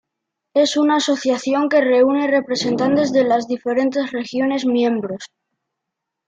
Es una asociación que reúne representantes de las diferentes regiones miembros.